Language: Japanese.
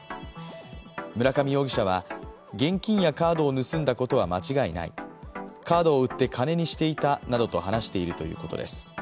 村上容疑者は現金やカードを盗んだことは間違いない、カードを売って金にしていたなどと話しているということです。